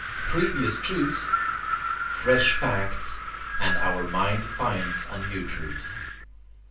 Previous truth; fresh facts: and our mind finds a new truth.